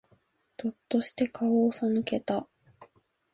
ぞっとして、顔を背けた。